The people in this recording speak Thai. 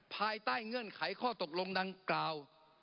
ภายใต้เงื่อนไขข้อตกลงดังกล่าว